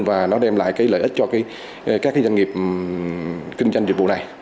và nó đem lại cái lợi ích cho các doanh nghiệp kinh doanh dịch vụ này